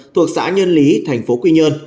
thuộc xã nhân lý thành phố quy nhơn